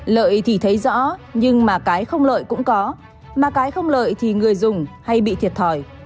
lợi thì thấy rõ nhưng mà cái không lợi cũng có mà cái không lợi thì người dùng hay bị thiệt thòi